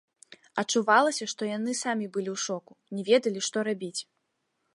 Адчувалася, што яны самі былі ў шоку, не ведалі, што рабіць.